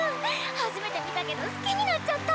初めて見たけど好きになっちゃった！